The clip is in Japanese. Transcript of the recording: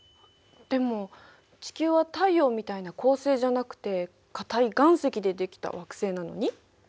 でも地球は太陽みたいな恒星じゃなくて硬い岩石で出来た惑星なのに？